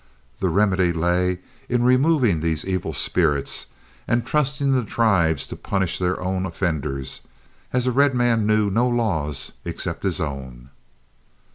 The remedy lay in removing these evil spirits and trusting the tribes to punish their own offenders, as the red man knew no laws except his own.